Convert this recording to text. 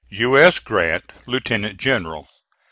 "U. S. GRANT, Lieutenant General.